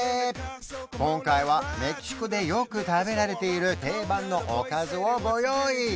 今回はメキシコでよく食べられている定番のおかずをご用意！